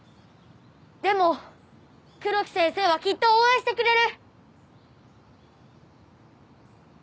でも黒木先生はきっと応援してくれる！